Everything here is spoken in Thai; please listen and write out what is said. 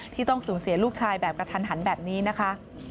ที่ต้องสูญเสียลูกชายแบบกระทันหันแบบนี้นะคะ